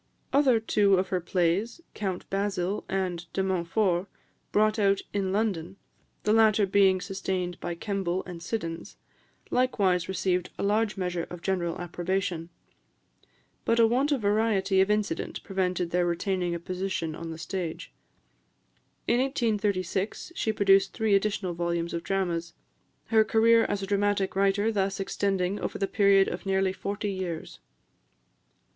Other two of her plays, "Count Basil" and "De Montfort," brought out in London, the latter being sustained by Kemble and Siddons, likewise received a large measure of general approbation; but a want of variety of incident prevented their retaining a position on the stage. In 1836, she produced three additional volumes of dramas; her career as a dramatic writer thus extending over the period of nearly forty years.